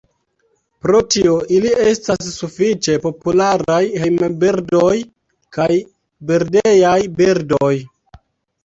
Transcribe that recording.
Pro tio ili estas sufiĉe popularaj hejmbirdoj kaj birdejaj birdoj.